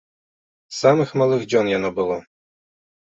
З самых малых дзён яно было!